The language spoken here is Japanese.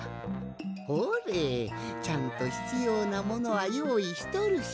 ほれちゃんとひつようなものはよういしとるし。